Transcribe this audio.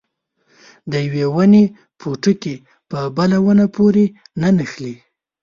د یوې ونې پوټکي په بله ونه پورې نه نښلي.